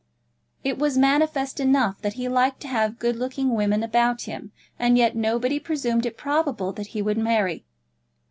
It was manifest enough that he liked to have good looking women about him, and yet nobody presumed it probable that he would marry.